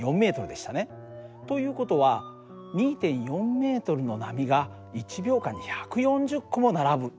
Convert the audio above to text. という事は２．４ｍの波が１秒間に１４０個も並ぶ。